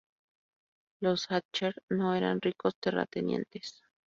Los Hatcher no eran ricos terratenientes.